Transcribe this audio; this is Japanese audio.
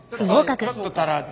ちょっと足らず。